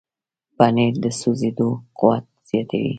پنېر د سوځېدو قوت زیاتوي.